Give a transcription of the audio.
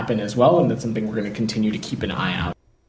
dan itu adalah hal yang kita akan terus menjaga